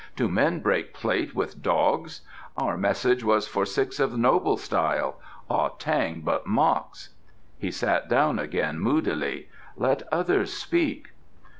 Do men break plate with dogs? Our message was for six of noble style. Ah tang but mocks.'" He sat down again moodily. "Let others speak."